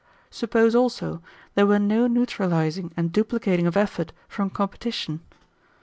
Suppose, also, there were no neutralizing and duplicating of effort from competition.